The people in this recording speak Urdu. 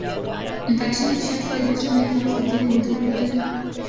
انفیکشن ایک شخص سے دوسرے میں سانس کے ذریعے منتقل ہوتا ہے